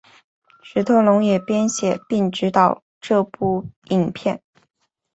史特龙也编写并执导这部影片。